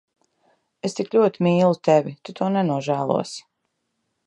Es tik ļoti mīlu tevi. Tu to nenožēlosi.